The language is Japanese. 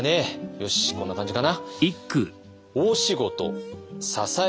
よしこんな感じかな。